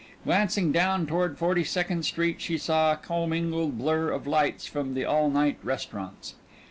Glancing down toward Forty second Street she saw a commingled blur of lights from the all night restaurants.